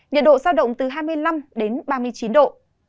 nhiệt độ giao động từ hai mươi năm đến ba mươi chín độ